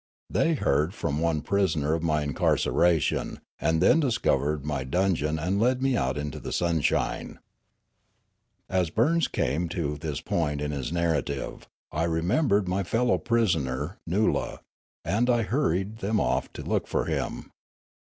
They heard from one Noola 397 prisoner of 1113^ incarceration, and then discovered my dungeon and led me out into the sunshine. As Burns came to this point in his narrative, I re membered my fellow prisoner, Noola, and I hurried them off to look for him.